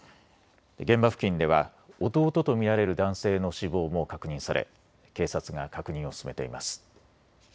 現場付近では弟と見られる男性の死亡も確認され警察が確認を進めています。